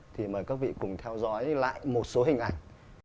thì mời các vị cùng theo dõi lại một số hình ảnh